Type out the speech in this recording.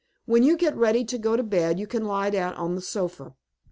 When you get ready to go to bed you can lie down on the sofa.